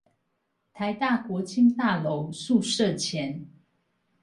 臺大國青大樓宿舍前